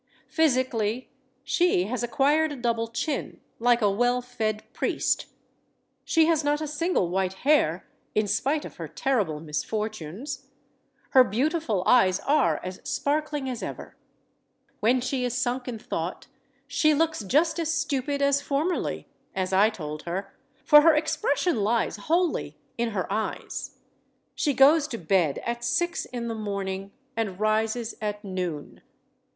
Physically, she has acquired a double chin, like a well fed priest. She has not a single white hair, in spite of her terrible misfortunes. Her beautiful eyes are as sparkling as ever. When she is sunk in thought, she looks just as stupid as formerly as I told her for her expression lies wholly in her eyes. She goes to bed at six in the morning and rises at noon.